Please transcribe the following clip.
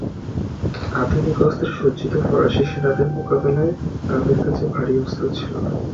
আধুনিক অস্ত্রে সজ্জিত ফরাসি সেনাদের মোকাবেলায় তাদের কাছে ভারি অস্ত্র ছিল না।